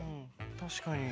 確かに。